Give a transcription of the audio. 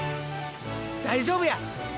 大丈夫や！